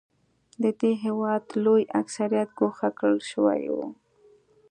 د دې هېواد لوی اکثریت ګوښه کړل شوی و.